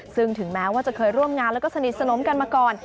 ซึ่งถึงแม้ว่าจะเคยร่วมงานแล้วก็สนิทสนมกันมาก่อน